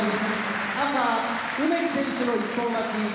赤、梅木選手の一本勝ち。